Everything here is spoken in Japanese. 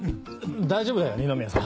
大丈夫だよ二宮さん。